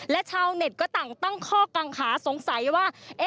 และชาวเน็ตก็ต่างตั้งข้อกังขาสงสัยว่า